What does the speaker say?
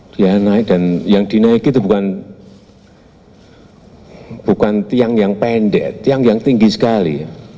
dia naik dan yang dinaiki itu bukan tiang yang pendek tiang yang tinggi sekali